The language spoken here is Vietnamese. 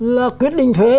là quyết định thuế